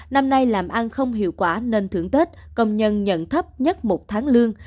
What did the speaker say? năm nay làm ăn không hiệu quả nên thưởng tết công nhân nhận thấp nhất một tháng lương